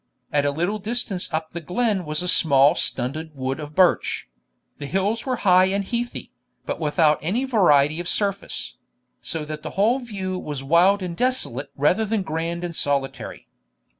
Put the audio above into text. At a little distance up the glen was a small and stunted wood of birch; the hills were high and heathy, but without any variety of surface; so that the whole view was wild and desolate rather than grand and solitary.